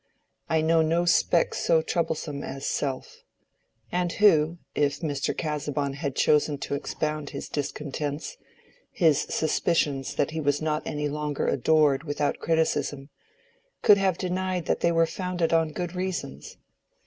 I know no speck so troublesome as self. And who, if Mr. Casaubon had chosen to expound his discontents—his suspicions that he was not any longer adored without criticism—could have denied that they were founded on good reasons?